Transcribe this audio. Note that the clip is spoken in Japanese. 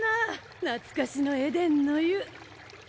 懐かしのエデンの湯。